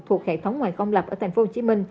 thuộc hệ thống ngoài công lập ở tp hcm